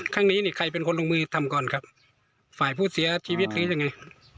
ครั้งนี้นี่ใครเป็นคนลงมือทำก่อนครับฝ่ายผู้เสียชีวิตหรือยังไง